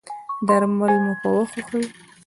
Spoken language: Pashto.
درمل مو په وخت خورئ؟